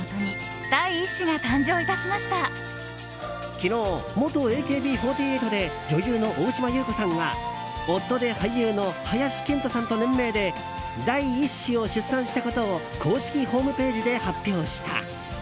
昨日、元ＡＫＢ４８で女優の大島優子さんが夫で俳優の林遣都さんと連名で第１子を出産したことを公式ホームページで発表した。